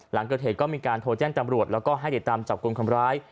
หลังเกิดเหตุก็มีการโทรแจ้งจำรวจแล้วก็ให้ติดตามจับกลุ่มคนร้าย